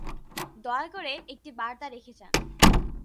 দয়া করে একটি বার্তা রেখে যান!